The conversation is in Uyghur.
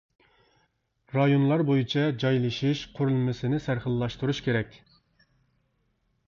رايونلار بويىچە جايلىشىش قۇرۇلمىسىنى سەرخىللاشتۇرۇش كېرەك.